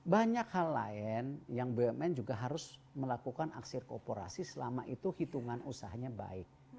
banyak hal lain yang bumn juga harus melakukan aksir kooperasi selama itu hitungan usahanya baik